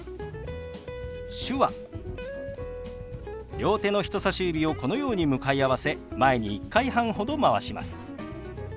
両手の人さし指をこのように向かい合わせ前に１回半ほどまわします。